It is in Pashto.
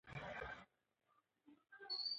ازادي راډیو د تعلیمات د نجونو لپاره پرمختګ سنجولی.